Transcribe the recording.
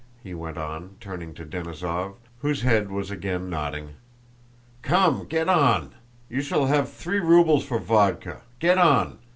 he went on, turning to Denísov, whose head was again nodding. "Come, get on! You shall have three rubles for vodka—get on!"